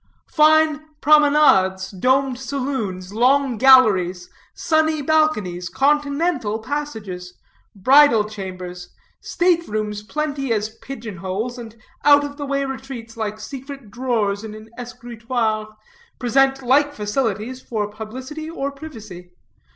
Fine promenades, domed saloons, long galleries, sunny balconies, confidential passages, bridal chambers, state rooms plenty as pigeon holes, and out of the way retreats like secret drawers in an escritoire, present like facilities for publicity or privacy.